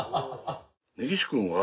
根岸くんは。